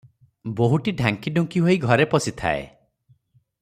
ବୋହୂଟି ଢାଙ୍କିଢୁଙ୍କି ହୋଇ ଘରେ ପଶିଥାଏ ।